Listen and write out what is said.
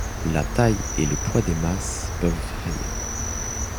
La taille et le poids des masses peuvent varier.